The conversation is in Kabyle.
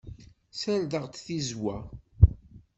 Ssardeɣ-d tizewwa.